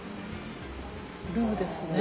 ルーですね。